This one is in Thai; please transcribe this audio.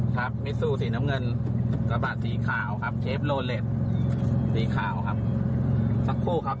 ครับมิซูสีน้ำเงินกระบาดสีขาวครับสีขาวครับสักคู่ครับ